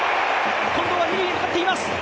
近藤は二塁を回っています